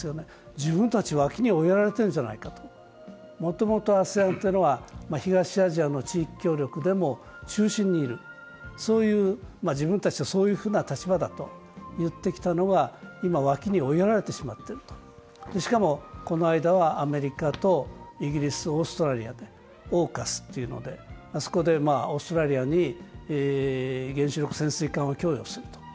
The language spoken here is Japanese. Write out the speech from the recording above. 自分たち脇に追いやられているんじゃないか、もともとＡＳＥＡＮというのは東アジアの地域協力でも中心にいる、自分たちはそういうふうな立場だと言ってきたのが、今、脇に追いやられてしまっているしかも、この間はアメリカとイギリス、オーストラリアでＡＵＫＵＳというのでオーストラリアに原子力潜水艦を供与していると。